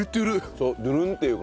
そうドゥルンっていう感じね。